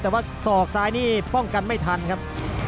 แต่ว่าศอกซ้ายนี่ป้องกันไม่ทันครับ